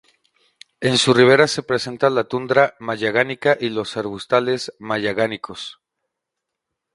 En su ribera se presenta la tundra magallánica y los arbustales magallánicos.